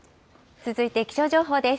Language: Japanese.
続いて気象情報です。